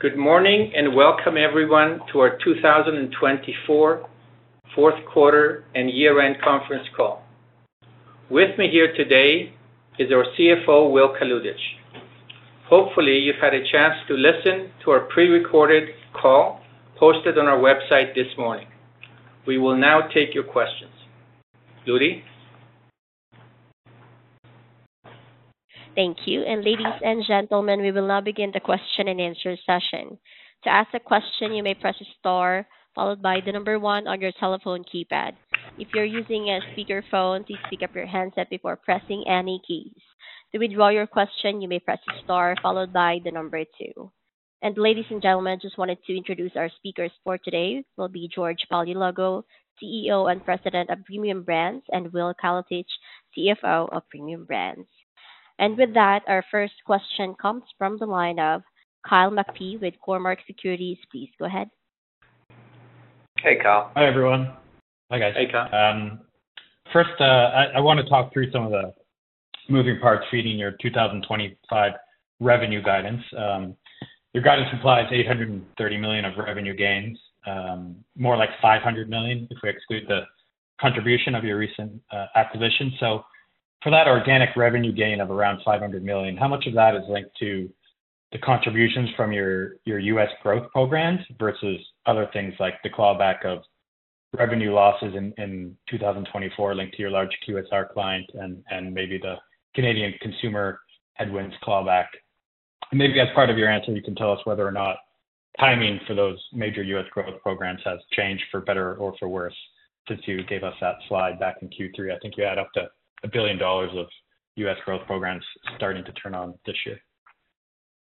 Good morning and welcome, everyone, to our 2024 fourth quarter and year-end conference call. With me here today is our CFO, Will Kalutycz. Hopefully, you've had a chance to listen to our pre-recorded call posted on our website this morning. We will now take your questions. Ludi? Thank you. Ladies and gentlemen, we will now begin the question and answer session. To ask a question, you may press a star followed by the number one on your telephone keypad. If you're using a speakerphone, please pick up your handset before pressing any keys. To withdraw your question, you may press a star followed by the number two. Ladies and gentlemen, I just wanted to introduce our speakers for today. It will be George Paleologou, CEO and President of Premium Brands, and Will Kalutycz, CFO of Premium Brands. With that, our first question comes from the line of Kyle McPhee with Cormark Securities. Please go ahead. Hey, Kyle. Hi, everyone. Hi, guys. Hey, Kyle. First, I want to talk through some of the moving parts feeding your 2025 revenue guidance. Your guidance implies $830 million of revenue gains, more like $500 million if we exclude the contribution of your recent acquisition. For that organic revenue gain of around $500 million, how much of that is linked to the contributions from your U.S. growth programs versus other things like the clawback of revenue losses in 2024 linked to your large QSR client and maybe the Canadian consumer headwinds clawback? Maybe as part of your answer, you can tell us whether or not timing for those major U.S. growth programs has changed for better or for worse. Since you gave us that slide back in Q3, I think you had up to $1 billion of U.S. growth programs starting to turn on this year.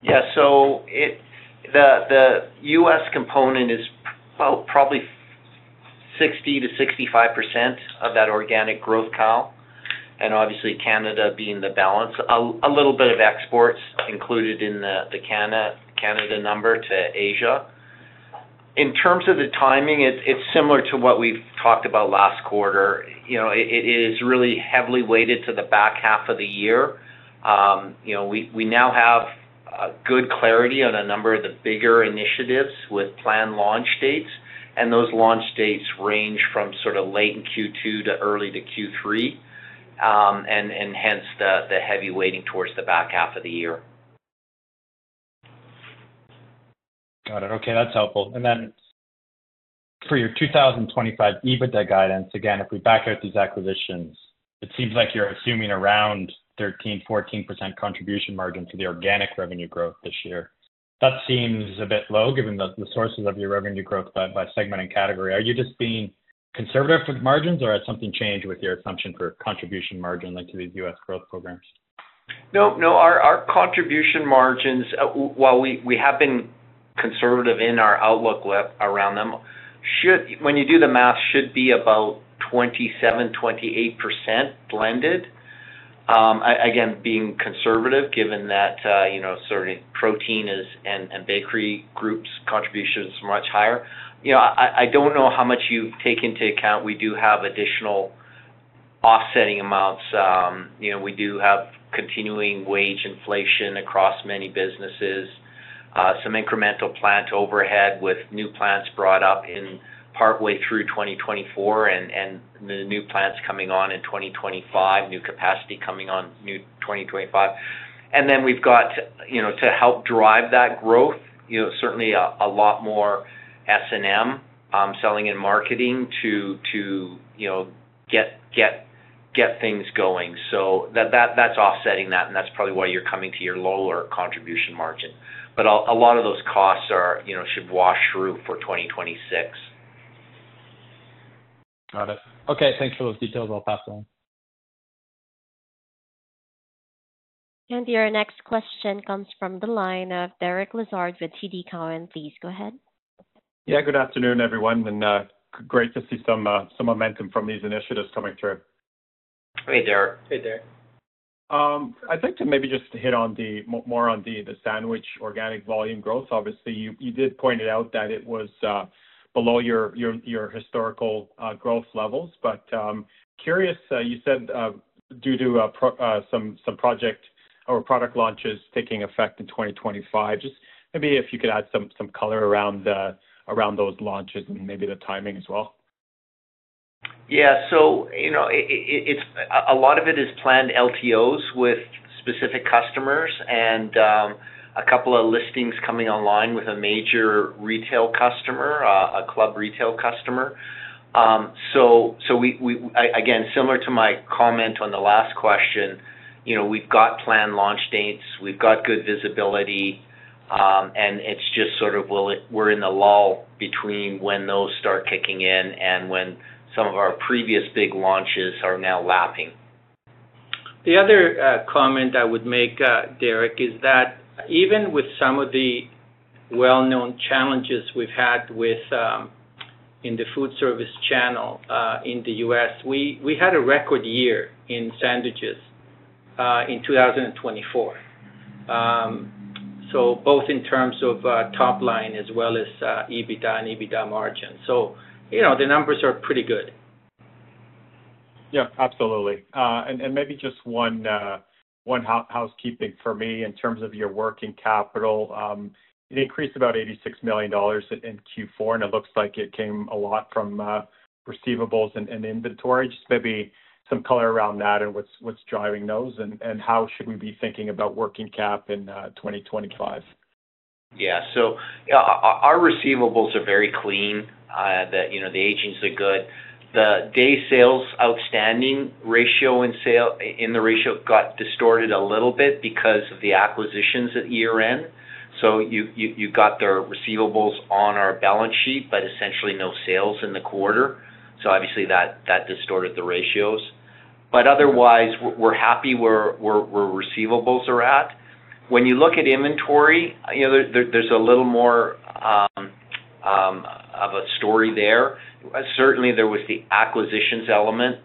Yeah. The U.S. component is probably 60%-65% of that organic growth, Kyle, and obviously Canada being the balance. A little bit of exports included in the Canada number to Asia. In terms of the timing, it is similar to what we have talked about last quarter. It is really heavily weighted to the back half of the year. We now have good clarity on a number of the bigger initiatives with planned launch dates, and those launch dates range from sort of late in Q2 to early to Q3, and hence the heavy weighting towards the back half of the year. Got it. Okay. That's helpful. For your 2025 EBITDA guidance, again, if we back out these acquisitions, it seems like you're assuming around 13%-14% contribution margin for the organic revenue growth this year. That seems a bit low given the sources of your revenue growth by segment and category. Are you just being conservative with margins, or has something changed with your assumption for contribution margin linked to these U.S. growth programs? No, no. Our contribution margins, while we have been conservative in our outlook around them, when you do the math, should be about 27%-28% blended. Again, being conservative, given that sort of protein and bakery groups' contributions are much higher. I do not know how much you have taken into account. We do have additional offsetting amounts. We do have continuing wage inflation across many businesses, some incremental plant overhead with new plants brought up in partway through 2024, and the new plants coming on in 2025, new capacity coming on in 2025. We have, to help drive that growth, certainly a lot more S&M selling and marketing to get things going. That is offsetting that, and that is probably why you are coming to your lower contribution margin. A lot of those costs should wash through for 2026. Got it. Okay. Thanks for those details. I'll pass it on. Your next question comes from the line of Derek Lessard with TD Cowen. Please go ahead. Yeah. Good afternoon, everyone. Great to see some momentum from these initiatives coming through. Hey, Derek. Hey, Derek. I'd like to maybe just hit more on the sandwich organic volume growth. Obviously, you did point it out that it was below your historical growth levels. Curious, you said due to some project or product launches taking effect in 2025, just maybe if you could add some color around those launches and maybe the timing as well. Yeah. A lot of it is planned LTOs with specific customers and a couple of listings coming online with a major retail customer, a club retail customer. Again, similar to my comment on the last question, we've got planned launch dates, we've got good visibility, and it's just sort of we're in the lull between when those start kicking in and when some of our previous big launches are now lapping. The other comment I would make, Derek, is that even with some of the well-known challenges we've had in the food service channel in the U.S., we had a record year in sandwiches in 2024. Both in terms of top line as well as EBITDA and EBITDA margin. The numbers are pretty good. Yeah. Absolutely. Maybe just one housekeeping for me in terms of your working capital. It increased about 86 million dollars in Q4, and it looks like it came a lot from receivables and inventory. Just maybe some color around that and what's driving those and how should we be thinking about working cap in 2025. Yeah. Our receivables are very clean. The agents are good. The Days Sales Outstanding ratio in the ratio got distorted a little bit because of the acquisitions at year-end. You got the receivables on our balance sheet, but essentially no sales in the quarter. That distorted the ratios. Otherwise, we're happy where receivables are at. When you look at inventory, there's a little more of a story there. Certainly, there was the acquisitions element.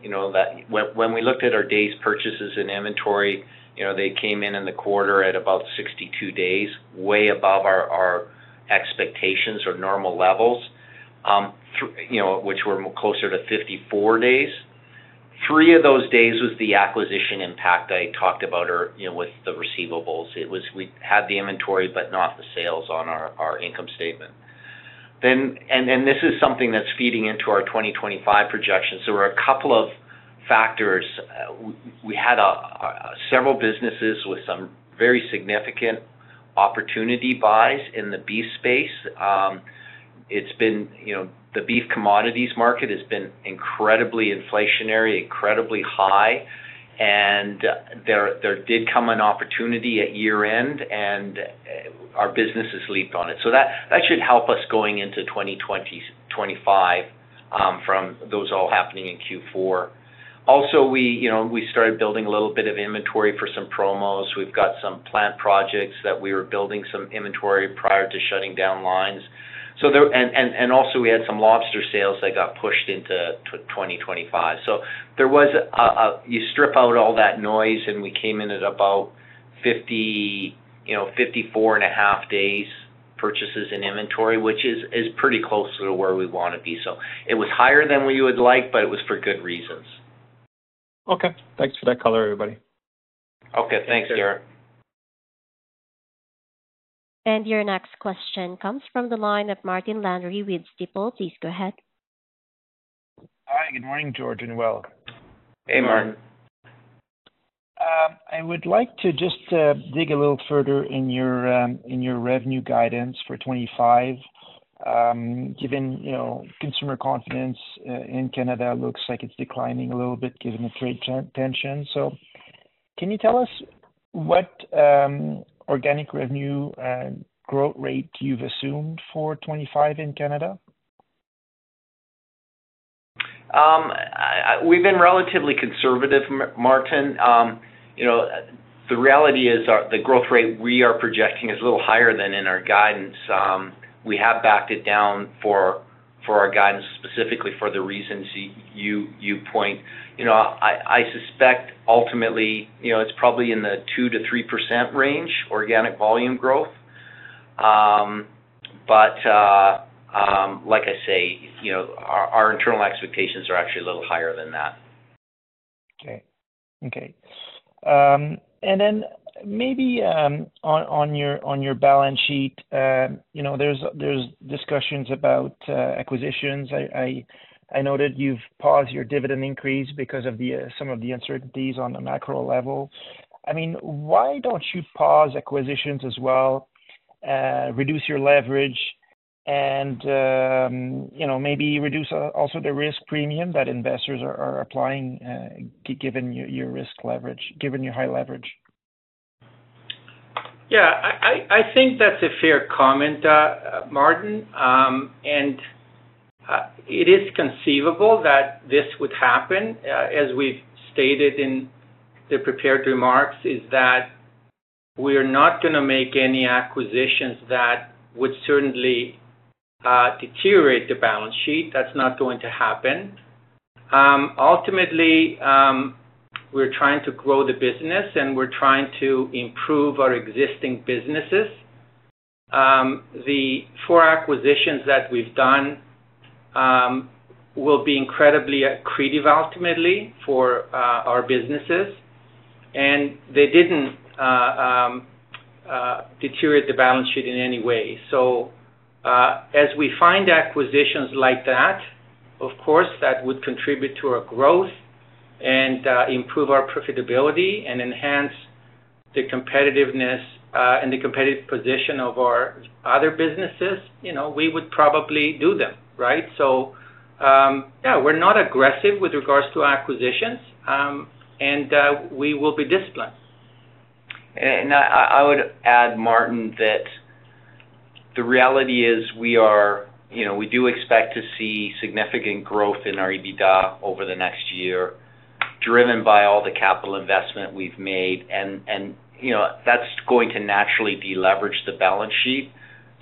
When we looked at our days purchases and inventory, they came in in the quarter at about 62 days, way above our expectations or normal levels, which were closer to 54 days. Three of those days was the acquisition impact I talked about with the receivables. We had the inventory, but not the sales on our income statement. This is something that's feeding into our 2025 projections. There were a couple of factors. We had several businesses with some very significant opportunity buys in the beef space. The beef commodities market has been incredibly inflationary, incredibly high. There did come an opportunity at year-end, and our businesses leaped on it. That should help us going into 2025 from those all happening in Q4. Also, we started building a little bit of inventory for some promos. We have some plant projects that we were building some inventory prior to shutting down lines. Also, we had some lobster sales that got pushed into 2025. You strip out all that noise, and we came in at about 54.5 days purchases and inventory, which is pretty close to where we want to be. It was higher than we would like, but it was for good reasons. Okay. Thanks for that color, everybody. Okay. Thanks, Derek. Your next question comes from the line of Martin Landry with Stifel. Please go ahead. Hi. Good morning, George. And Will. Hey, Martin. I would like to just dig a little further in your revenue guidance for 2025. Given consumer confidence in Canada looks like it's declining a little bit given the trade tensions. Can you tell us what organic revenue growth rate you've assumed for 2025 in Canada? We've been relatively conservative, Martin. The reality is the growth rate we are projecting is a little higher than in our guidance. We have backed it down for our guidance specifically for the reasons you point. I suspect ultimately it's probably in the 2%-3% range organic volume growth. Like I say, our internal expectations are actually a little higher than that. Okay. Okay. I mean, on your balance sheet, there is discussion about acquisitions. I noted you have paused your dividend increase because of some of the uncertainties on the macro level. I mean, why do you not pause acquisitions as well, reduce your leverage, and maybe reduce also the risk premium that investors are applying given your risk leverage, given your high leverage? Yeah. I think that's a fair comment, Martin. It is conceivable that this would happen. As we've stated in the prepared remarks, we are not going to make any acquisitions that would certainly deteriorate the balance sheet. That's not going to happen. Ultimately, we're trying to grow the business, and we're trying to improve our existing businesses. The four acquisitions that we've done will be incredibly accretive ultimately for our businesses, and they didn't deteriorate the balance sheet in any way. As we find acquisitions like that, of course, that would contribute to our growth and improve our profitability and enhance the competitiveness and the competitive position of our other businesses, we would probably do them, right? Yeah, we're not aggressive with regards to acquisitions, and we will be disciplined. I would add, Martin, that the reality is we do expect to see significant growth in our EBITDA over the next year driven by all the capital investment we've made. That is going to naturally deleverage the balance sheet.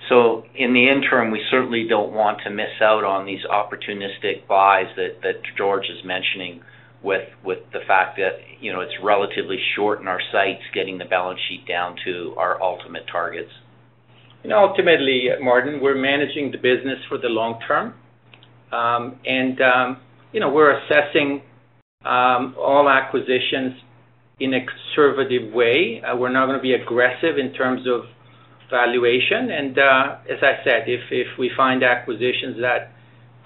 In the interim, we certainly do not want to miss out on these opportunistic buys that George is mentioning with the fact that it is relatively short in our sights getting the balance sheet down to our ultimate targets. Ultimately, Martin, we're managing the business for the long term, and we're assessing all acquisitions in a conservative way. We're not going to be aggressive in terms of valuation. As I said, if we find acquisitions that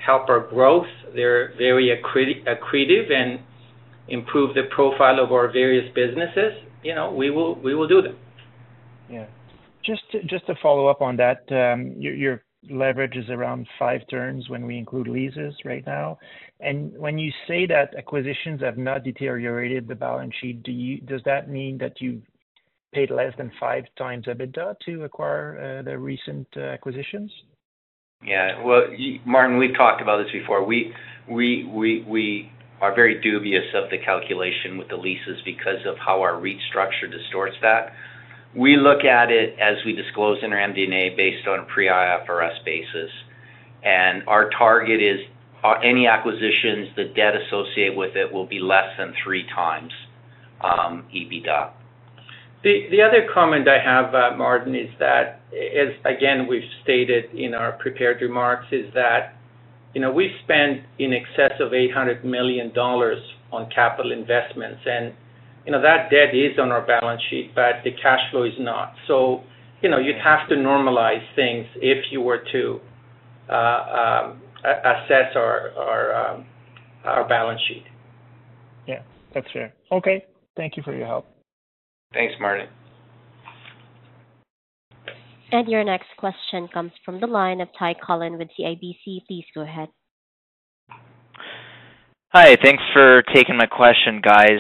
help our growth, they're very accretive and improve the profile of our various businesses, we will do them. Yeah. Just to follow up on that, your leverage is around five turns when we include leases right now. When you say that acquisitions have not deteriorated the balance sheet, does that mean that you paid less than five times EBITDA to acquire the recent acquisitions? Yeah. Martin, we've talked about this before. We are very dubious of the calculation with the leases because of how our restructure distorts that. We look at it as we disclose in our MD&A based on a pre-IFRS basis. Our target is any acquisitions, the debt associated with it will be less than 3x EBITDA. The other comment I have, Martin, is that, as again, we've stated in our prepared remarks, is that we spend in excess of 800 million dollars on capital investments, and that debt is on our balance sheet, but the cash flow is not. You'd have to normalize things if you were to assess our balance sheet. Yeah. That's fair. Okay. Thank you for your help. Thanks, Martin. Your next question comes from the line of Ty Collin with CIBC. Please go ahead. Hi. Thanks for taking my question, guys.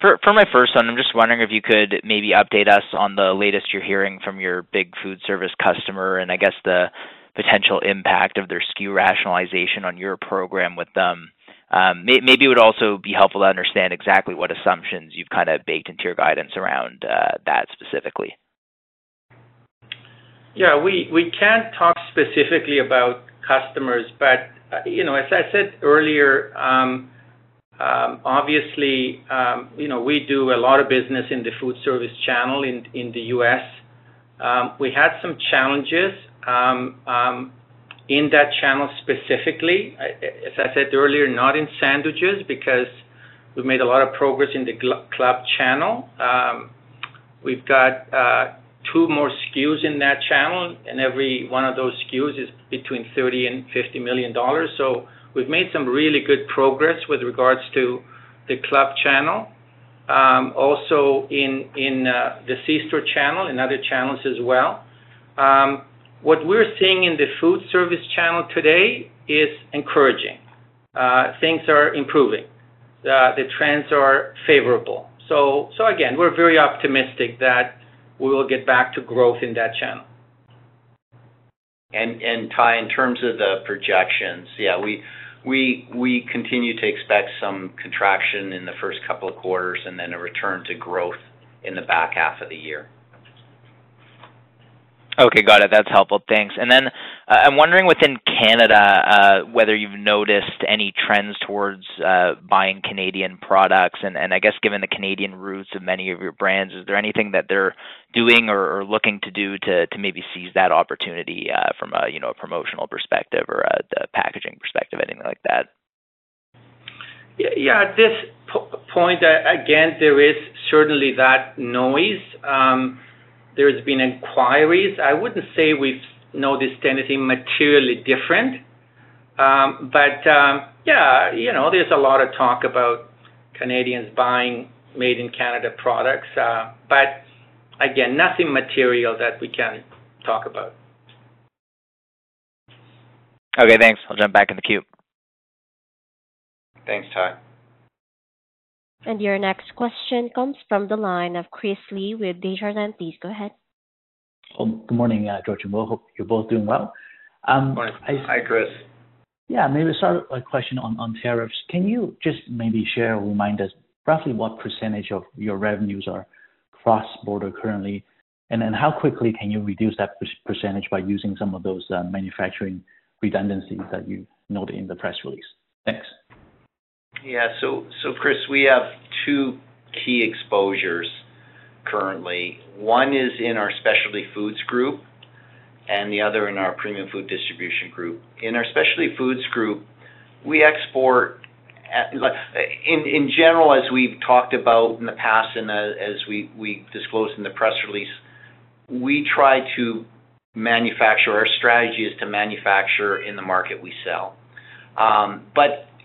For my first one, I'm just wondering if you could maybe update us on the latest you're hearing from your big food service customer and I guess the potential impact of their SKU rationalization on your program with them. Maybe it would also be helpful to understand exactly what assumptions you've kind of baked into your guidance around that specifically. Yeah. We can't talk specifically about customers, but as I said earlier, obviously, we do a lot of business in the food service channel in the U.S. We had some challenges in that channel specifically. As I said earlier, not in sandwiches because we made a lot of progress in the club channel. We've got two more SKUs in that channel, and every one of those SKUs is between 30 million and 50 million dollars. We have made some really good progress with regards to the club channel. Also in the C-store channel and other channels as well. What we're seeing in the food service channel today is encouraging. Things are improving. The trends are favorable. We are very optimistic that we will get back to growth in that channel. Ty, in terms of the projections, yeah, we continue to expect some contraction in the first couple of quarters and then a return to growth in the back half of the year. Okay. Got it. That's helpful. Thanks. I am wondering within Canada whether you've noticed any trends towards buying Canadian products. I guess given the Canadian roots of many of your brands, is there anything that they're doing or looking to do to maybe seize that opportunity from a promotional perspective or a packaging perspective, anything like that? Yeah. At this point, again, there is certainly that noise. There have been inquiries. I would not say we have noticed anything materially different. Yeah, there is a lot of talk about Canadians buying made-in-Canada products. Again, nothing material that we can talk about. Okay. Thanks. I'll jump back in the queue. Thanks, Ty. Your next question comes from the line of Chris Li with Desjardins. Please go ahead. Good morning, George and Will. Hope you're both doing well. Hi, Chris. Yeah. Maybe I'll start with a question on tariffs. Can you just maybe share or remind us roughly what % of your revenues are cross-border currently? And then how quickly can you reduce that % by using some of those manufacturing redundancies that you noted in the press release? Thanks. Yeah. Chris, we have two key exposures currently. One is in our Specialty Foods group and the other in our Premium Food Distribution group. In our Specialty Foods group, we export in general, as we've talked about in the past and as we disclosed in the press release, we try to manufacture. Our strategy is to manufacture in the market we sell.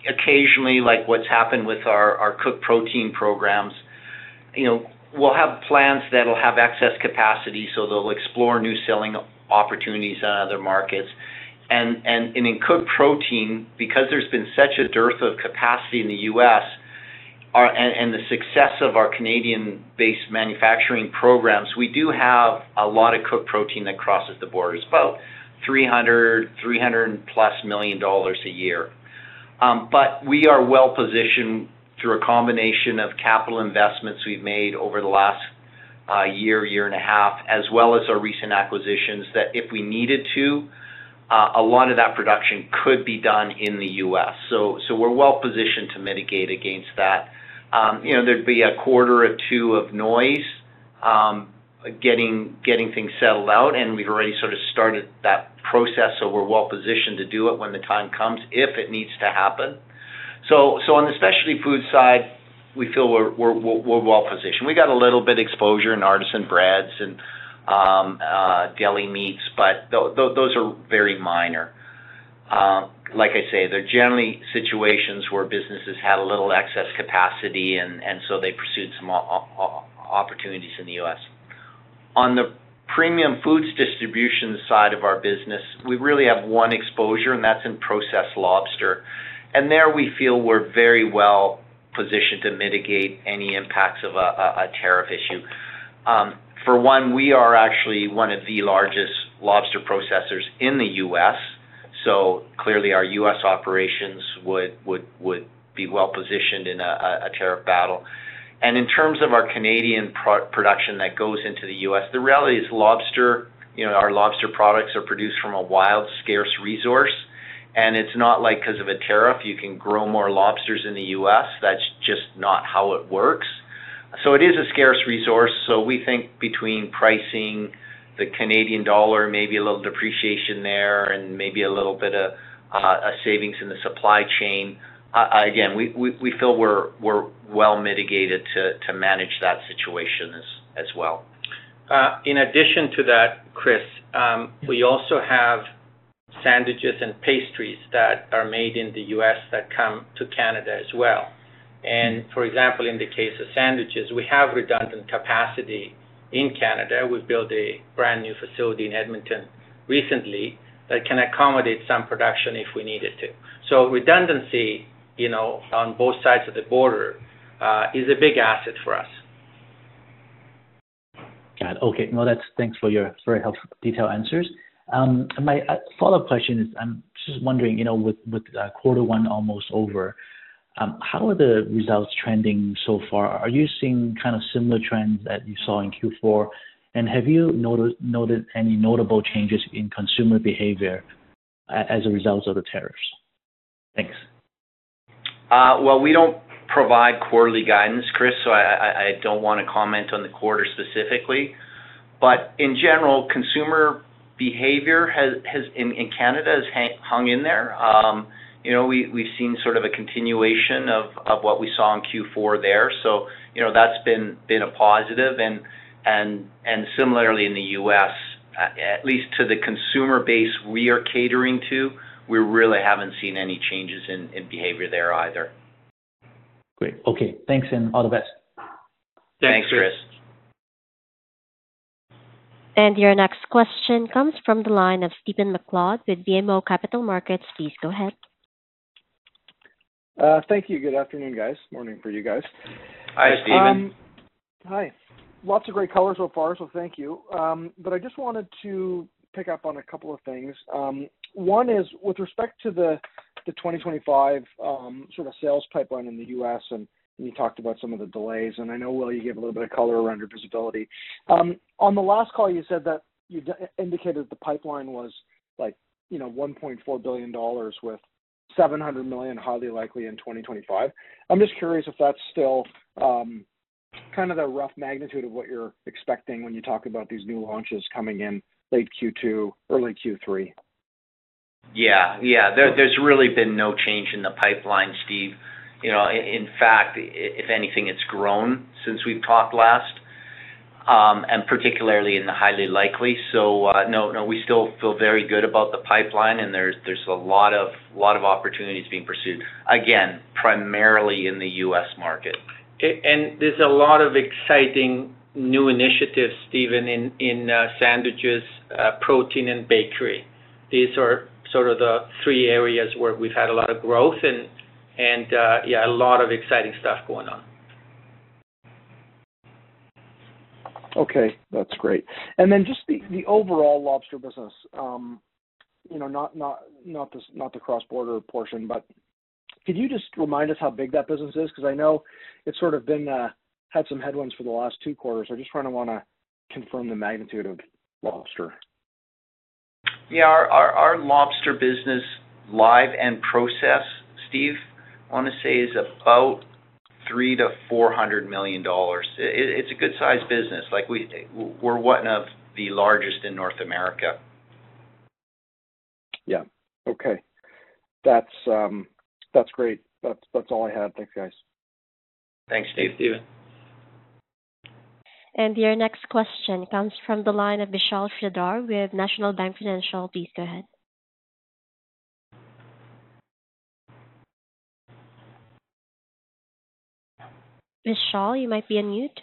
Occasionally, like what's happened with our cooked protein programs, we'll have plants that'll have excess capacity, so they'll explore new selling opportunities in other markets. In cooked protein, because there's been such a dearth of capacity in the U.S. and the success of our Canadian-based manufacturing programs, we do have a lot of cooked protein that crosses the borders, about 300 million-300-plus million dollars a year. We are well-positioned through a combination of capital investments we have made over the last year, year and a half, as well as our recent acquisitions that if we needed to, a lot of that production could be done in the U.S. We are well-positioned to mitigate against that. There would be a quarter or two of noise getting things settled out, and we have already sort of started that process. We are well-positioned to do it when the time comes if it needs to happen. On the specialty food side, we feel we are well-positioned. We have a little bit of exposure in artisan breads and deli meats, but those are very minor. Like I say, they are generally situations where businesses had a little excess capacity, and so they pursued some opportunities in the US. On the Premium Food Distribution side of our business, we really have one exposure, and that's in processed lobster. There we feel we're very well-positioned to mitigate any impacts of a tariff issue. For one, we are actually one of the largest lobster processors in the U.S. Clearly, our U.S. operations would be well-positioned in a tariff battle. In terms of our Canadian production that goes into the U.S., the reality is lobster, our lobster products are produced from a wild, scarce resource. It's not like because of a tariff you can grow more lobsters in the U.S. That's just not how it works. It is a scarce resource. We think between pricing, the Canadian dollar, maybe a little depreciation there, and maybe a little bit of savings in the supply chain. Again, we feel we're well-mitigated to manage that situation as well. In addition to that, Chris, we also have sandwiches and pastries that are made in the U.S. that come to Canada as well. For example, in the case of sandwiches, we have redundant capacity in Canada. We've built a brand new facility in Edmonton recently that can accommodate some production if we needed to. Redundancy on both sides of the border is a big asset for us. Got it. Okay. Thanks for your very helpful detailed answers. My follow-up question is I'm just wondering, with quarter one almost over, how are the results trending so far? Are you seeing kind of similar trends that you saw in Q4? Have you noted any notable changes in consumer behavior as a result of the tariffs? Thanks. We do not provide quarterly guidance, Chris, so I do not want to comment on the quarter specifically. In general, consumer behavior in Canada has hung in there. We have seen sort of a continuation of what we saw in Q4 there. That has been a positive. Similarly, in the U.S., at least to the consumer base we are catering to, we really have not seen any changes in behavior there either. Great. Okay. Thanks, and all the best. Thanks, Chris. Your next question comes from the line of Stephen MacLeod with BMO Capital Markets. Please go ahead. Thank you. Good afternoon, guys. Morning for you guys. Hi, Stephen. Hi. Lots of great color so far, so thank you. I just wanted to pick up on a couple of things. One is with respect to the 2025 sort of sales pipeline in the U.S., and you talked about some of the delays. I know, Will, you gave a little bit of color around your visibility. On the last call, you said that you indicated the pipeline was like $1.4 billion with 700 million highly likely in 2025. I'm just curious if that's still kind of the rough magnitude of what you're expecting when you talk about these new launches coming in late Q2, early Q3. Yeah. Yeah. There has really been no change in the pipeline, Steve. In fact, if anything, it has grown since we talked last, and particularly in the highly likely. No, no, we still feel very good about the pipeline, and there is a lot of opportunities being pursued, again, primarily in the U.S. market. There is a lot of exciting new initiatives, Stephen, in sandwiches, protein, and bakery. These are sort of the three areas where we have had a lot of growth and, yeah, a lot of exciting stuff going on. Okay. That's great. Then just the overall lobster business, not the cross-border portion, could you just remind us how big that business is? I know it's sort of had some headwinds for the last two quarters. I just kind of want to confirm the magnitude of lobster. Yeah. Our lobster business live and process, Steve, I want to say is about 300 million-400 million dollars. It's a good-sized business. We're one of the largest in North America. Yeah. Okay. That's great. That's all I had. Thanks, guys. Thanks. Stephen. Your next question comes from the line of Vishal Shreedhar with National Bank Financial. Please go ahead. Vishal, you might be on mute.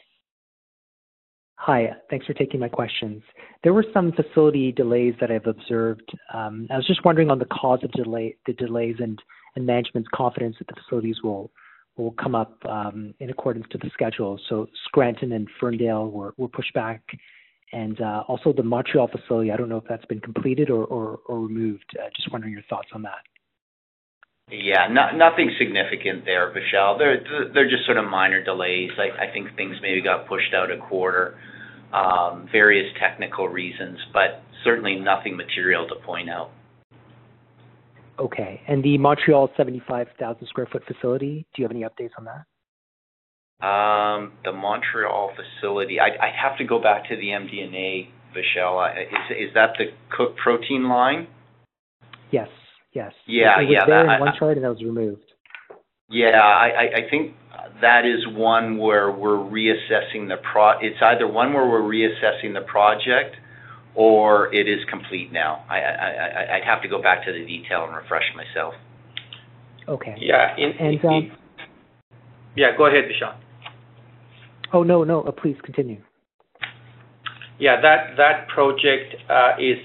Hi. Thanks for taking my questions. There were some facility delays that I've observed. I was just wondering on the cause of the delays and management's confidence that the facilities will come up in accordance to the schedule. Scranton and Ferndale were pushed back. Also, the Montreal facility, I don't know if that's been completed or removed. Just wondering your thoughts on that. Yeah. Nothing significant there, Vishal. They're just sort of minor delays. I think things maybe got pushed out a quarter, various technical reasons, but certainly nothing material to point out. Okay. The Montreal 75,000 sq ft facility, do you have any updates on that? The Montreal facility, I'd have to go back to the MD&A, Vishal. Is that the cooked protein line? Yes. Yes. Yeah. Yeah. I saw it on one chart, and it was removed. Yeah. I think that is one where we're reassessing the project or it is complete now. I'd have to go back to the detail and refresh myself. Okay. And. Yeah. Go ahead, Vishal. Oh, no, no. Please continue. Yeah. That project is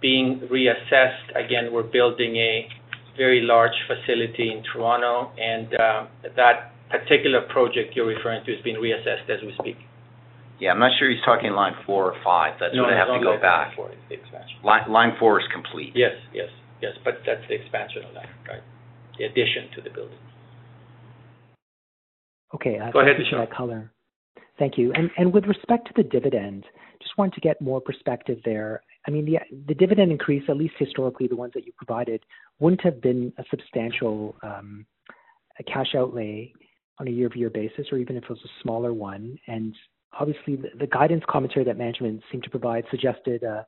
being reassessed. Again, we're building a very large facility in Toronto. That particular project you're referring to has been reassessed as we speak. Yeah. I'm not sure if he's talking line four or five. That's what I have to go back. Line four. Line four is complete. Yes. Yes. Yes. That is the expansion of that, right? The addition to the building. Okay. I've got that color. Thank you. With respect to the dividend, just wanted to get more perspective there. I mean, the dividend increase, at least historically, the ones that you provided, would not have been a substantial cash outlay on a year-over-year basis, or even if it was a smaller one. Obviously, the guidance commentary that management seemed to provide suggested a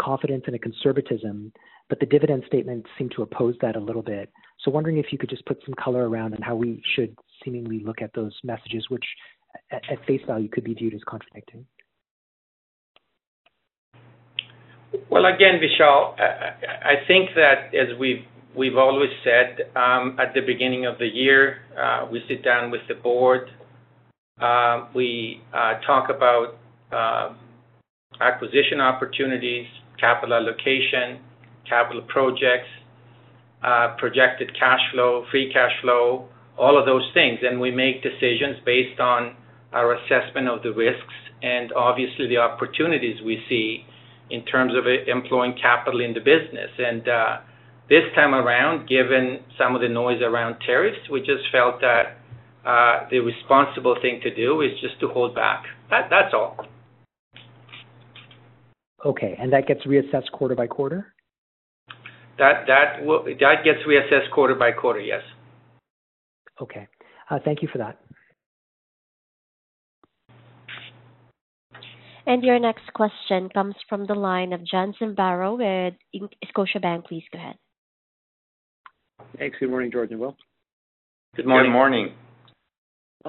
confidence and a conservatism, but the dividend statement seemed to oppose that a little bit. Wondering if you could just put some color around on how we should seemingly look at those messages, which at face value could be viewed as contradicting. Again, Vishal, I think that as we've always said, at the beginning of the year, we sit down with the board. We talk about acquisition opportunities, capital allocation, capital projects, projected cash flow, free cash flow, all of those things. We make decisions based on our assessment of the risks and obviously the opportunities we see in terms of employing capital in the business. This time around, given some of the noise around tariffs, we just felt that the responsible thing to do is just to hold back. That's all. Okay. That gets reassessed quarter-by-quarter? That gets reassessed quarte- by-quarter, yes. Okay. Thank you for that. Your next question comes from the line of John Zamparo with Scotiabank. Please go ahead. Hey. Good morning, George and Will. Good morning. Good morning.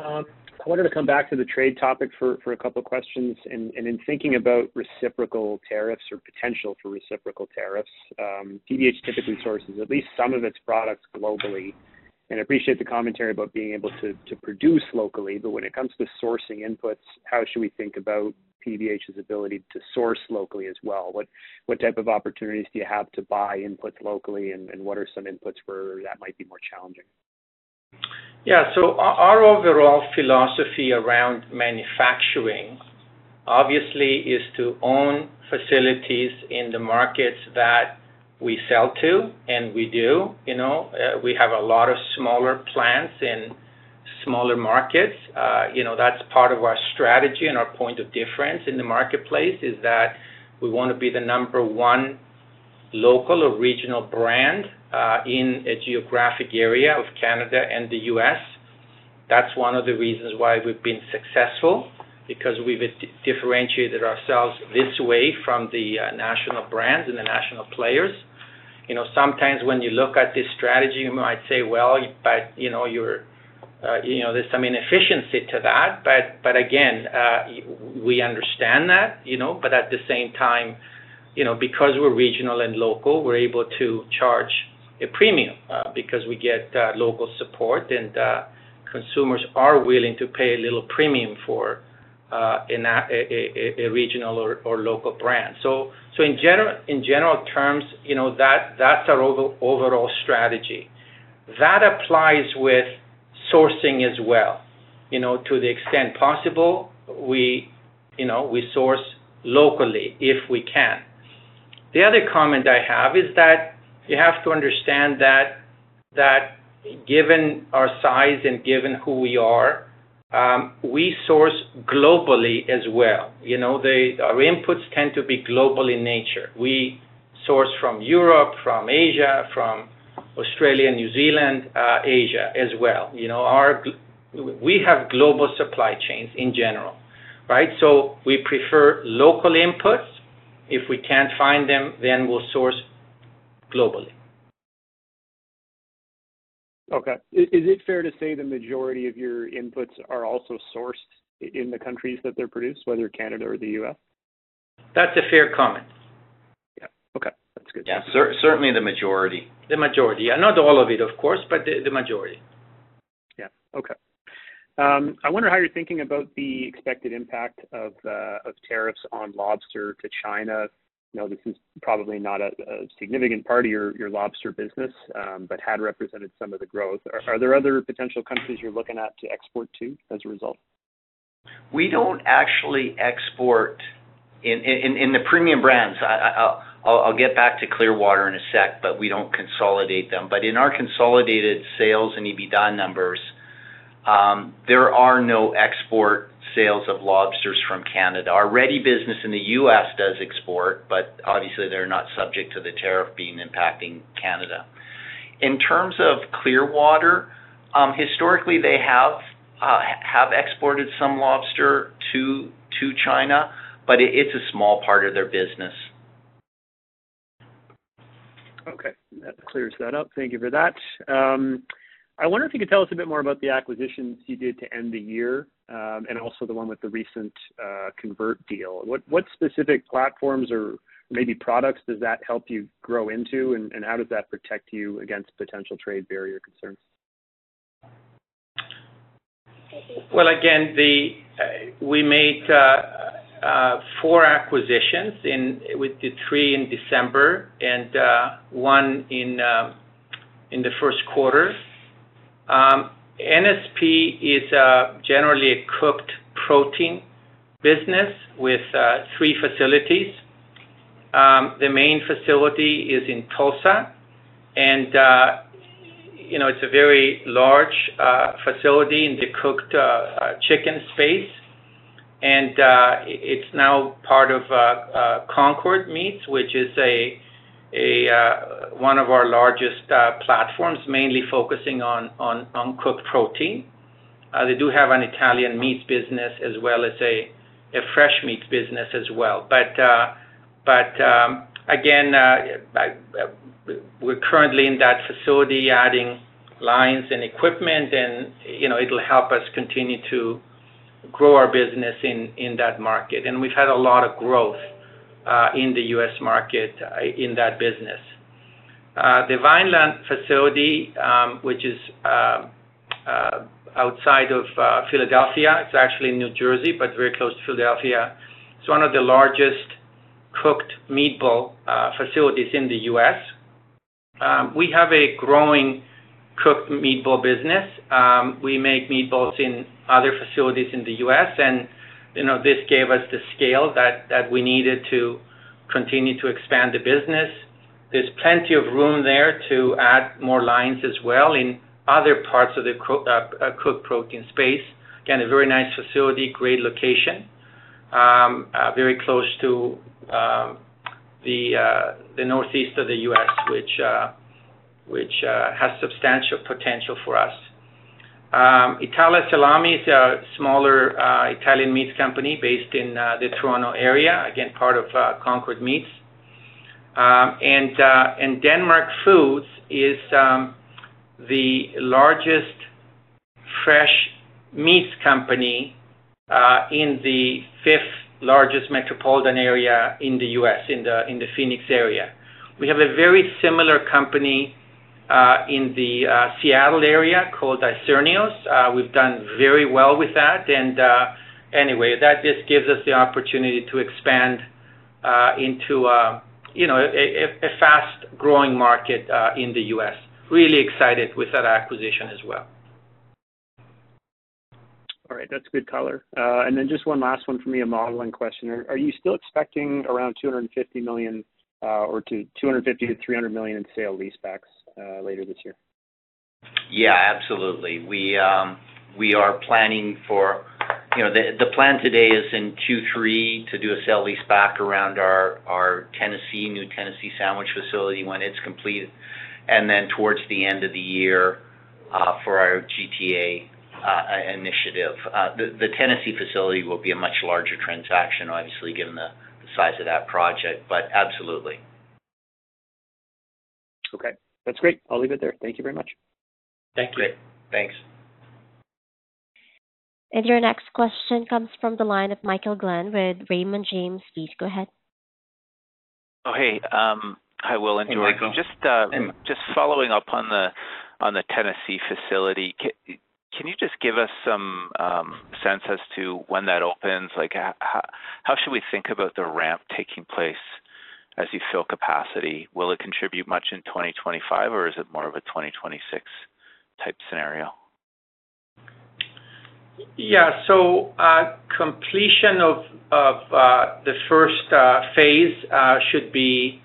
I wanted to come back to the trade topic for a couple of questions. In thinking about reciprocal tariffs or potential for reciprocal tariffs, PBH typically sources at least some of its products globally. I appreciate the commentary about being able to produce locally. When it comes to sourcing inputs, how should we think about PBH's ability to source locally as well? What type of opportunities do you have to buy inputs locally, and what are some inputs where that might be more challenging? Yeah. Our overall philosophy around manufacturing obviously is to own facilities in the markets that we sell to, and we do. We have a lot of smaller plants in smaller markets. That's part of our strategy and our point of difference in the marketplace is that we want to be the number one local or regional brand in a geographic area of Canada and the U.S. That's one of the reasons why we've been successful, because we've differentiated ourselves this way from the national brands and the national players. Sometimes when you look at this strategy, you might say, "Well, but there's some inefficiency to that." Again, we understand that. At the same time, because we're regional and local, we're able to charge a premium because we get local support, and consumers are willing to pay a little premium for a regional or local brand. In general terms, that's our overall strategy. That applies with sourcing as well. To the extent possible, we source locally if we can. The other comment I have is that you have to understand that given our size and given who we are, we source globally as well. Our inputs tend to be global in nature. We source from Europe, from Asia, from Australia, New Zealand, Asia as well. We have global supply chains in general, right? We prefer local inputs. If we can't find them, then we'll source globally. Okay. Is it fair to say the majority of your inputs are also sourced in the countries that they're produced, whether Canada or the U.S.? That's a fair comment. Yeah. Okay. That's good. Yeah. Certainly the majority. The majority. Not all of it, of course, but the majority. Yeah. Okay. I wonder how you're thinking about the expected impact of tariffs on lobster to China. This is probably not a significant part of your lobster business, but had represented some of the growth. Are there other potential countries you're looking at to export to as a result? We don't actually export in the Premium Brands. I'll get back to Clearwater in a sec, but we don't consolidate them. In our consolidated sales and EBITDA numbers, there are no export sales of lobsters from Canada. Our Ready business in the U.S. does export, but obviously, they're not subject to the tariff being impacting Canada. In terms of Clearwater, historically, they have exported some lobster to China, but it's a small part of their business. Okay. That clears that up. Thank you for that. I wonder if you could tell us a bit more about the acquisitions you did to end the year and also the one with the recent convert deal. What specific platforms or maybe products does that help you grow into, and how does that protect you against potential trade barrier concerns? Again, we made four acquisitions, with the three in December and one in the first quarter. NSP is generally a cooked protein business with three facilities. The main facility is in Tulsa, and it's a very large facility in the cooked chicken space. It's now part of Concord Meats, which is one of our largest platforms, mainly focusing on cooked protein. They do have an Italian meats business as well as a fresh meats business as well. We're currently in that facility adding lines and equipment, and it'll help us continue to grow our business in that market. We've had a lot of growth in the U.S. market in that business. The Vineland facility, which is outside of Philadelphia, it's actually in New Jersey, but very close to Philadelphia. It's one of the largest cooked meatball facilities in the U.S. We have a growing cooked meatball business. We make meatballs in other facilities in the US, and this gave us the scale that we needed to continue to expand the business. There is plenty of room there to add more lines as well in other parts of the cooked protein space. Again, a very nice facility, great location, very close to the northeast of the U.S., which has substantial potential for us. Italia Salami is a smaller Italian meats company based in the Toronto area, again, part of Concord Meats. Denmark Foods is the largest fresh meats company in the fifth largest metropolitan area in the U.S., in the Phoenix area. We have a very similar company in the Seattle area called Isernio's. We have done very well with that. Anyway, that just gives us the opportunity to expand into a fast-growing market in the U.S. Really excited with that acquisition as well. All right. That's good color. Just one last one for me, a modeling question. Are you still expecting around 250 million or 250 million-300 million in sale lease backs later this year? Yeah. Absolutely. We are planning for the plan today is in Q3 to do a sale lease back around our new Tennessee sandwich facility when it's completed, and then towards the end of the year for our GTA initiative. The Tennessee facility will be a much larger transaction, obviously, given the size of that project, but absolutely. Okay. That's great. I'll leave it there. Thank you very much. Thank you. Great. Thanks. Your next question comes from the line of Michael Glen with Raymond James. Please go ahead. Oh, hey. Hi, Will and George. Just following up on the Tennessee facility, can you just give us some sense as to when that opens? How should we think about the ramp taking place as you fill capacity? Will it contribute much in 2025, or is it more of a 2026-type scenario? Yeah. Completion of the first phase should be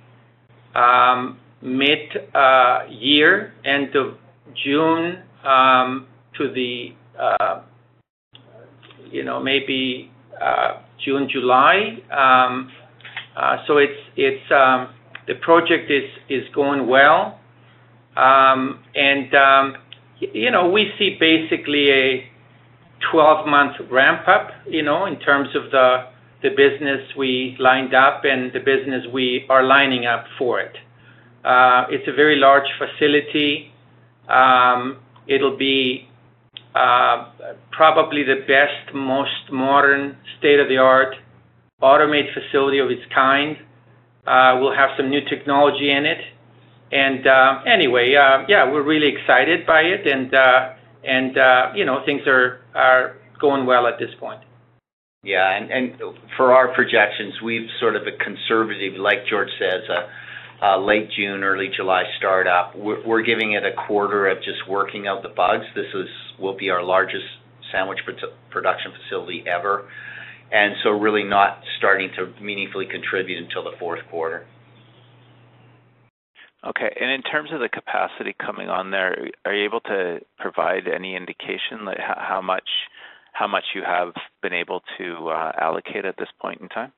mid-year, end of June to maybe June, July. The project is going well. We see basically a 12-month ramp-up in terms of the business we lined up and the business we are lining up for it. It is a very large facility. It will be probably the best, most modern, state-of-the-art automated facility of its kind. We will have some new technology in it. Anyway, yeah, we are really excited by it, and things are going well at this point. Yeah. For our projections, we've sort of a conservative, like George says, a late June, early July startup. We're giving it a quarter of just working out the bugs. This will be our largest sandwich production facility ever. Really not starting to meaningfully contribute until the fourth quarter. Okay. In terms of the capacity coming on there, are you able to provide any indication how much you have been able to allocate at this point in time?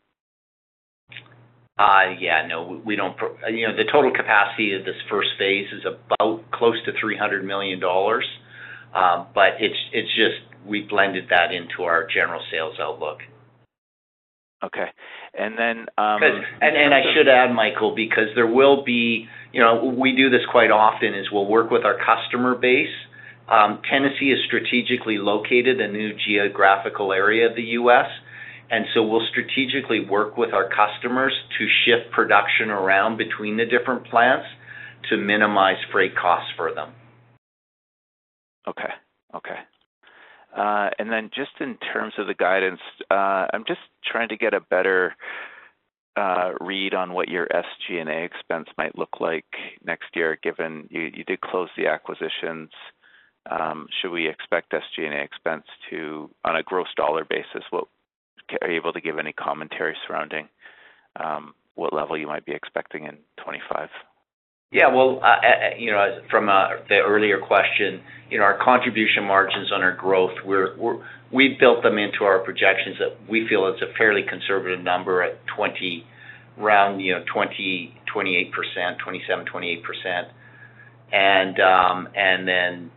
Yeah. No, we don't. The total capacity of this first phase is about close to 300 million dollars, but it's just we blended that into our general sales outlook. Okay. And then. I should add, Michael, because we do this quite often, we'll work with our customer base. Tennessee is strategically located, a new geographical area of the U.S. We strategically work with our customers to shift production around between the different plants to minimize freight costs for them. Okay. Okay. Just in terms of the guidance, I'm just trying to get a better read on what your SG&A expense might look like next year, given you did close the acquisitions. Should we expect SG&A expense to, on a gross dollar basis? Are you able to give any commentary surrounding what level you might be expecting in 2025? Yeah. From the earlier question, our contribution margins on our growth, we've built them into our projections that we feel it's a fairly conservative number at around 27%-28%.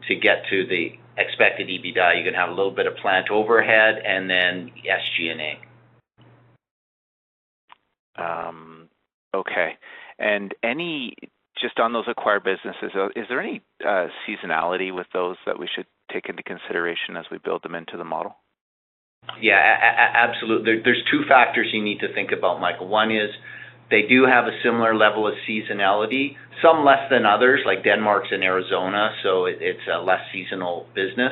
To get to the expected EBITDA, you're going to have a little bit of plant overhead and then SG&A. Okay. Just on those acquired businesses, is there any seasonality with those that we should take into consideration as we build them into the model? Yeah. Absolutely. There are two factors you need to think about, Michael. One is they do have a similar level of seasonality. Some less than others, like Denmark's in Arizona, so it is a less seasonal business.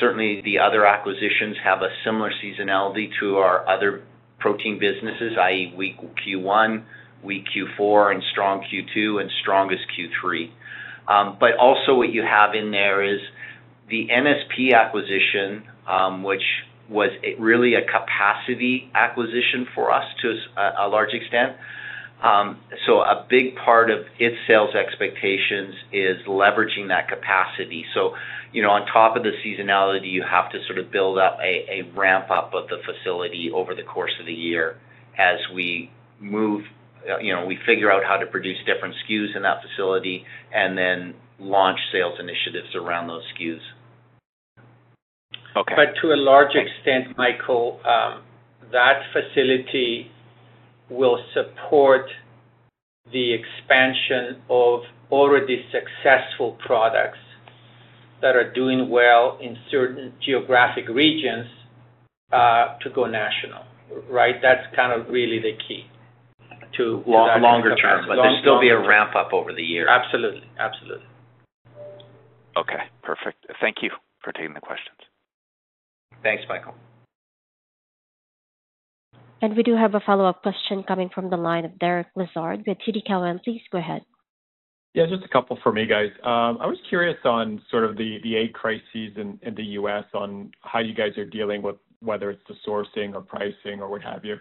Certainly, the other acquisitions have a similar seasonality to our other protein businesses, i.e., weak Q1, weak Q4, and strong Q2, and strongest Q3. Also, what you have in there is the NSP acquisition, which was really a capacity acquisition for us to a large extent. A big part of its sales expectations is leveraging that capacity. On top of the seasonality, you have to sort of build up a ramp-up of the facility over the course of the year as we move, we figure out how to produce different SKUs in that facility, and then launch sales initiatives around those SKUs. Okay. To a large extent, Michael, that facility will support the expansion of already successful products that are doing well in certain geographic regions to go national, right? That's kind of really the key to that. Longer term, but there'll still be a ramp-up over the year. Absolutely. Absolutely. Okay. Perfect. Thank you for taking the questions. Thanks, Michael. We do have a follow-up question coming from the line of Derek Lessard with TD Cowen. Please go ahead. Yeah. Just a couple for me, guys. I was curious on sort of the egg crises in the U.S., on how you guys are dealing with whether it's the sourcing or pricing or what have you.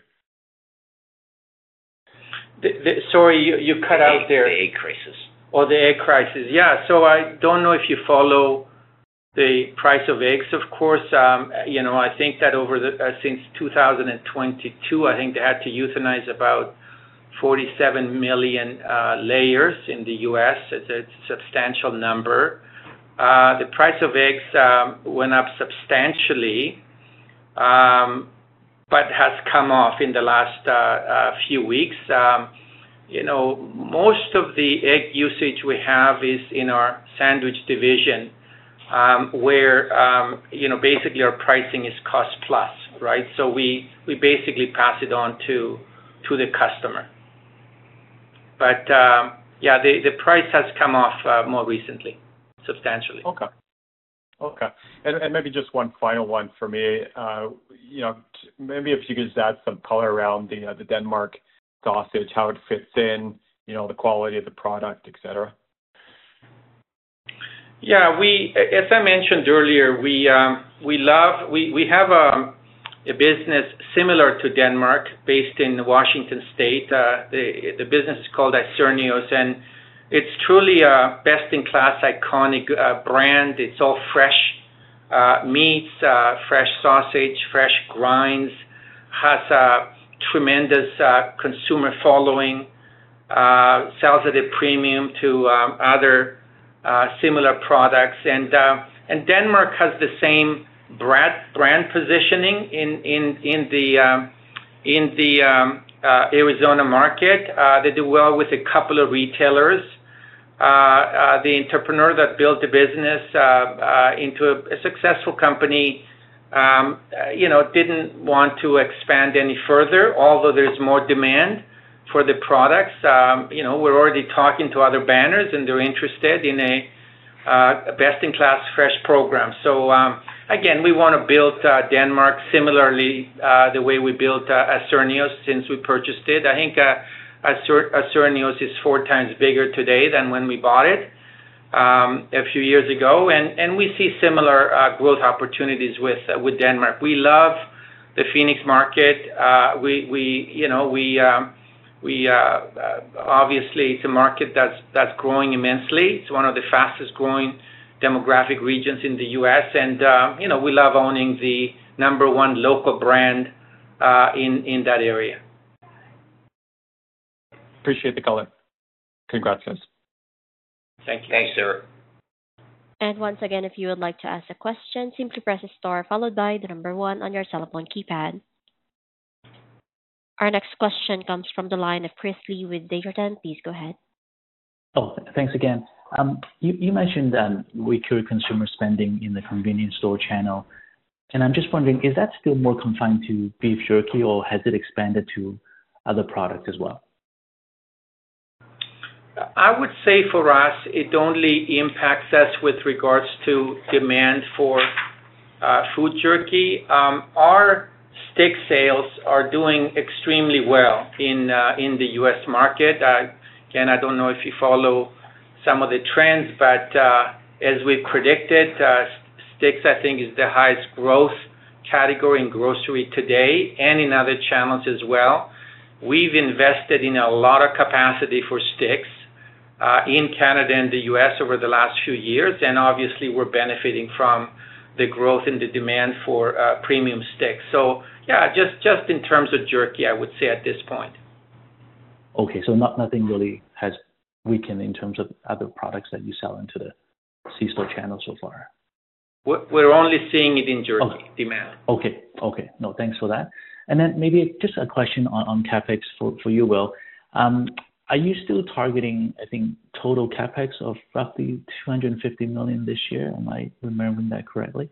Sorry, you cut out there. The egg crisis. Oh, the egg crisis. Yeah. I don't know if you follow the price of eggs. Of course, I think that since 2022, I think they had to euthanize about 47 million layers in the U.S. It's a substantial number. The price of eggs went up substantially but has come off in the last few weeks. Most of the egg usage we have is in our sandwich division, where basically our pricing is cost-plus, right? We basically pass it on to the customer. Yeah, the price has come off more recently, substantially. Okay. Okay. Maybe just one final one for me. Maybe if you could just add some color around the Denmark sausage, how it fits in, the quality of the product, etc. Yeah. As I mentioned earlier, we have a business similar to Denmark based in Washington State. The business is called Isernio's, and it's truly a best-in-class iconic brand. It's all fresh meats, fresh sausage, fresh grinds, has a tremendous consumer following, sells at a premium to other similar products. Denmark has the same brand positioning in the Arizona market. They do well with a couple of retailers. The entrepreneur that built the business into a successful company didn't want to expand any further, although there's more demand for the products. We're already talking to other banners, and they're interested in a best-in-class fresh program. Again, we want to build Denmark similarly the way we built Isernio's since we purchased it. I think Isernio's is four times bigger today than when we bought it a few years ago. We see similar growth opportunities with Denmark. We love the Phoenix market. Obviously, it's a market that's growing immensely. It's one of the fastest-growing demographic regions in the U.S. We love owning the number one local brand in that area. Appreciate the color. Congrats, guys. Thank you. Thanks, sir. If you would like to ask a question, simply press the star followed by the number one on your cell phone keypad. Our next question comes from the line of Chris Li with Desjardins. Please go ahead. Oh, thanks again. You mentioned we carry consumer spending in the convenience store channel. I'm just wondering, is that still more confined to beef jerky, or has it expanded to other products as well? I would say for us, it only impacts us with regards to demand for beef jerky. Our stick sales are doing extremely well in the U.S. market. I do not know if you follow some of the trends, but as we have predicted, sticks, I think, is the highest growth category in grocery today and in other channels as well. We have invested in a lot of capacity for sticks in Canada and the U.S. over the last few years. Obviously, we are benefiting from the growth in the demand for premium sticks. Just in terms of jerky, I would say at this point. Okay. So nothing really has weakened in terms of other products that you sell into the C-store channel so far? We're only seeing it in jerky demand. Okay. Okay. No, thanks for that. Maybe just a question on CapEx for you, Will. Are you still targeting, I think, total CapEx of roughly 250 million this year? Am I remembering that correctly?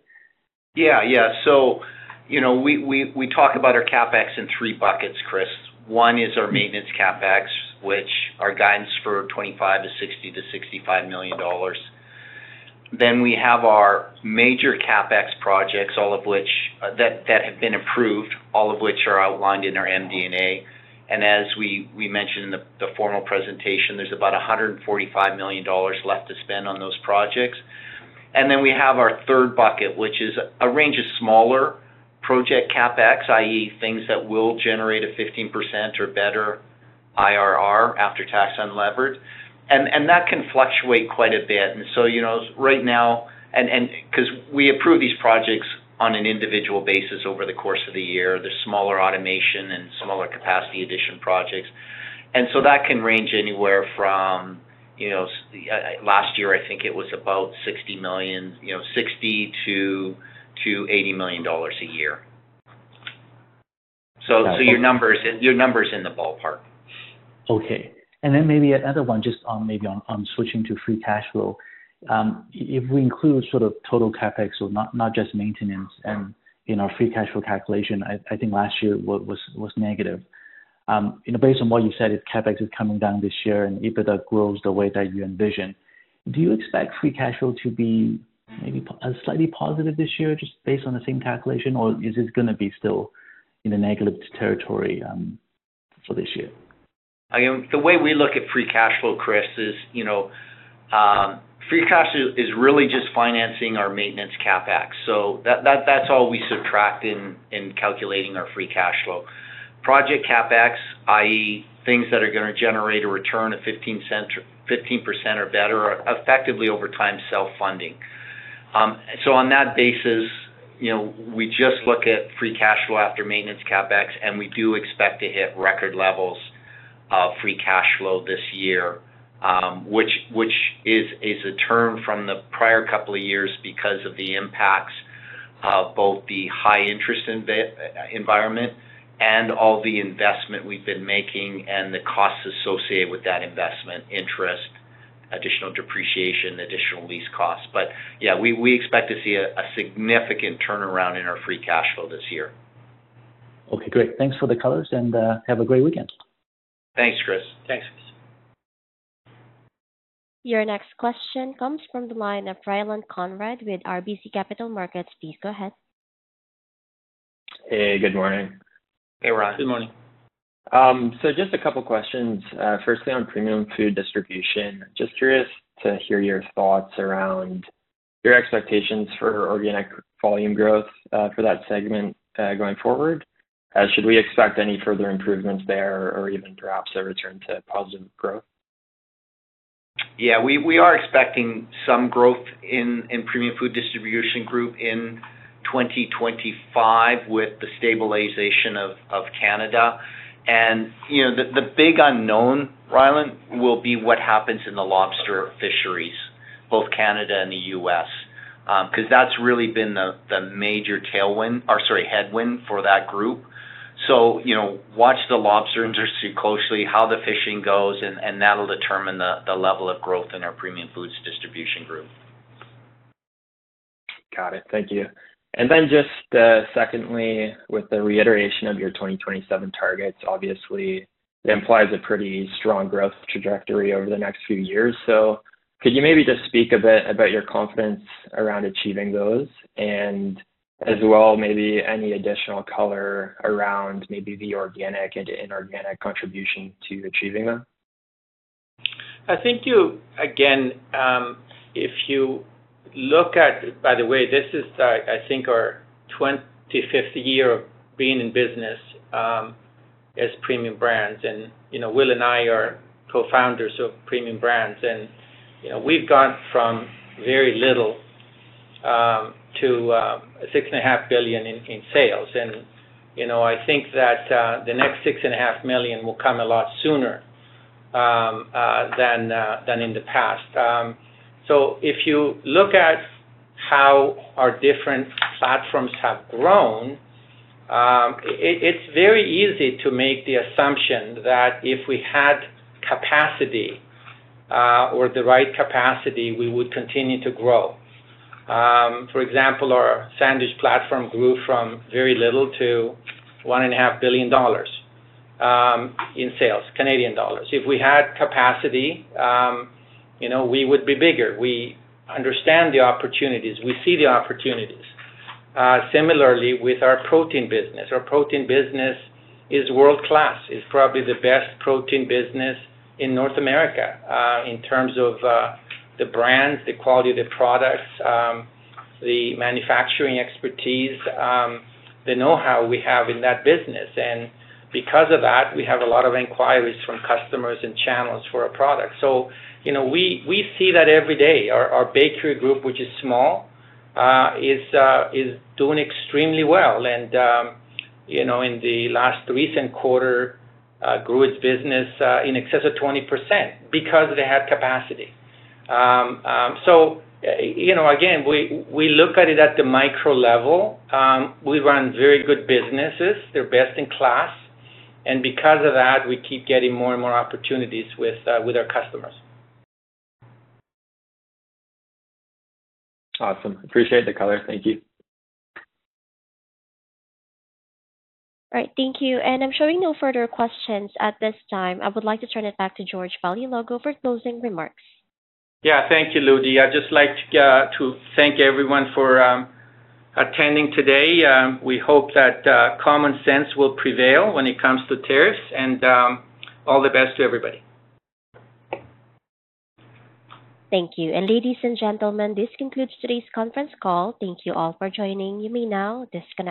Yeah. Yeah. We talk about our CapEx in three buckets, Chris. One is our maintenance CapEx, which our guidance for 2025 is 60 million-65 million dollars. We have our major CapEx projects, all of which have been approved, all of which are outlined in our MD&A. As we mentioned in the formal presentation, there's about 145 million dollars left to spend on those projects. We have our third bucket, which is a range of smaller project CapEx, i.e., things that will generate a 15% or better IRR after tax unlevered. That can fluctuate quite a bit. Right now, because we approve these projects on an individual basis over the course of the year, there's smaller automation and smaller capacity addition projects. That can range anywhere from last year, I think it was about 60 million-80 million dollars a year. Your number is in the ballpark. Okay. Maybe another one, just maybe on switching to free cash flow. If we include sort of total CapEx, so not just maintenance, in our free cash flow calculation, I think last year was negative. Based on what you said, if CapEx is coming down this year and EBITDA grows the way that you envision, do you expect free cash flow to be maybe slightly positive this year just based on the same calculation, or is it going to be still in the negative territory for this year? Again, the way we look at free cash flow, Chris, is free cash flow is really just financing our maintenance CapEx. That is all we subtract in calculating our free cash flow. Project CapEx, i.e., things that are going to generate a return of 15% or better, effectively over time, self-funding. On that basis, we just look at free cash flow after maintenance CapEx, and we do expect to hit record levels of free cash flow this year, which is a term from the prior couple of years because of the impacts of both the high-interest environment and all the investment we have been making and the costs associated with that investment, interest, additional depreciation, additional lease costs. Yeah, we expect to see a significant turnaround in our free cash flow this year. Okay. Great. Thanks for the color, and have a great weekend. Thanks, Chris. Thanks, Chris. Your next question comes from the line of Ryland Conrad with RBC Capital Markets. Please go ahead. Hey, good morning. Hey, Ryan. Good morning. Just a couple of questions. Firstly, on Premium Food Distribution, just curious to hear your thoughts around your expectations for organic volume growth for that segment going forward. Should we expect any further improvements there or even perhaps a return to positive growth? Yeah. We are expecting some growth in Premium Food Distribution group in 2025 with the stabilization of Canada. The big unknown, Ryland, will be what happens in the lobster fisheries, both Canada and the U.S., because that's really been the major tailwind or sorry, headwind for that group. Watch the lobster industry closely, how the fishing goes, and that'll determine the level of growth in our Premium Foods Distribution group. Got it. Thank you. Just secondly, with the reiteration of your 2027 targets, obviously, that implies a pretty strong growth trajectory over the next few years. Could you maybe just speak a bit about your confidence around achieving those and as well maybe any additional color around maybe the organic and inorganic contribution to achieving them? I think, again, if you look at, by the way, this is, I think, our 25th year of being in business as Premium Brands. Will and I are co-founders of Premium Brands. We have gone from very little to 6.5 billion in sales. I think that the next 6.5 billion will come a lot sooner than in the past. If you look at how our different platforms have grown, it is very easy to make the assumption that if we had capacity or the right capacity, we would continue to grow. For example, our sandwich platform grew from very little to 1.5 billion dollars in sales. If we had capacity, we would be bigger. We understand the opportunities. We see the opportunities. Similarly, with our protein business. Our protein business is world-class. is probably the best protein business in North America in terms of the brands, the quality of the products, the manufacturing expertise, the know-how we have in that business. Because of that, we have a lot of inquiries from customers and channels for our products. We see that every day. Our bakery group, which is small, is doing extremely well. In the last recent quarter, it grew its business in excess of 20% because they had capacity. We look at it at the micro level. We run very good businesses. They are best in class. Because of that, we keep getting more and more opportunities with our customers. Awesome. Appreciate the color. Thank you. All right. Thank you. I am showing no further questions at this time. I would like to turn it back to George Paleologou for closing remarks. Yeah. Thank you, Ludi. I'd just like to thank everyone for attending today. We hope that common sense will prevail when it comes to tariffs. All the best to everybody. Thank you. Ladies and gentlemen, this concludes today's conference call. Thank you all for joining. You may now disconnect.